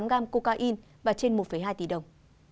hai mươi năm hai mươi tám g cocaine và trên một hai tỷ đồng